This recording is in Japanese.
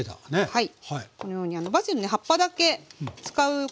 はい。